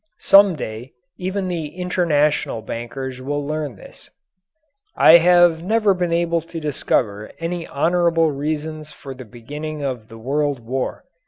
Some day even the international bankers will learn this. I have never been able to discover any honourable reasons for the beginning of the World War.